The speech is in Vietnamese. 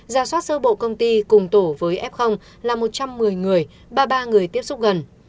giả soát sơ bộ công ty cùng tổ với f là một trăm một mươi người ba mươi ba người tiếp xúc gần